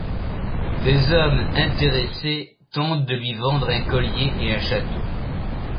Des hommes intéressés tentent de lui vendre un collier et un château.